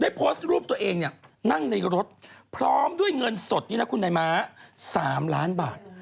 โพสต์รูปตัวเองเนี่ยนั่งในรถพร้อมด้วยเงินสดนี่นะคุณนายม้า๓ล้านบาท